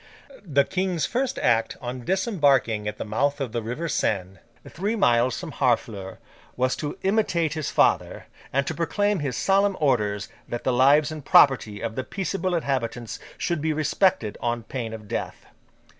The King's first act on disembarking at the mouth of the river Seine, three miles from Harfleur, was to imitate his father, and to proclaim his solemn orders that the lives and property of the peaceable inhabitants should be respected on pain of death.